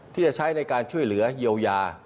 ที่จะใช้ในการช่วยเหลือเยียวยา